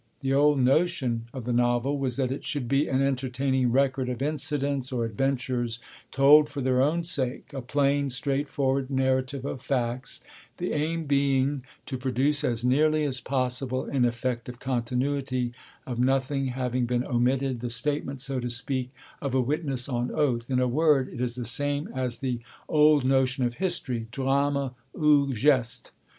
The old notion of the novel was that it should be an entertaining record of incidents or adventures told for their own sake; a plain, straightforward narrative of facts, the aim being to produce as nearly as possible an effect of continuity, of nothing having been omitted, the statement, so to speak, of a witness on oath; in a word, it is the same as the old notion of history, drame ou geste.